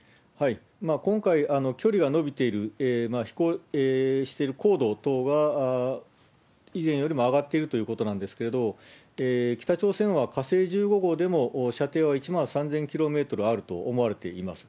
今回、距離は伸びている、飛行している高度等が以前よりも上がっているということなんですけれども、北朝鮮は火星１５号でも射程は１万３０００キロメートルあると思われています。